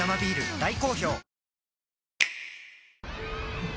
大好評